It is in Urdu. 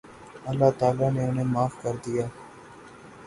اللہ تعالیٰ نے انھیں معاف کر دیا